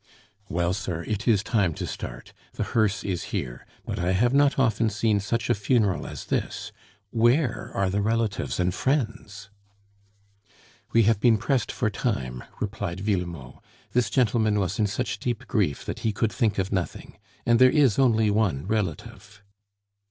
"Well, sir, it is time to start. The hearse is here; but I have not often seen such a funeral as this. Where are the relatives and friends?" "We have been pressed for time," replied Villemot. "This gentleman was in such deep grief that he could think of nothing. And there is only one relative."